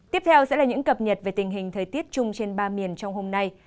tiếp theo sẽ là những cập nhật về tình hình thời tiết chung trên ba miền trong hôm nay